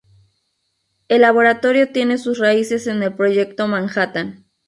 El laboratorio tiene sus raíces en el Proyecto Manhattan.